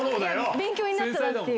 勉強になったなっていう。